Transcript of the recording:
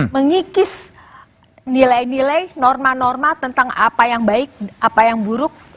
mengikis nilai nilai norma norma tentang apa yang baik apa yang buruk